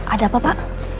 ada apa pak